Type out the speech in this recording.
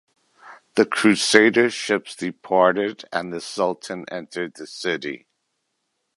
The Crusader ships departed and the sultan entered the city.